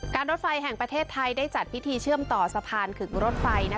รถไฟแห่งประเทศไทยได้จัดพิธีเชื่อมต่อสะพานขึกรถไฟ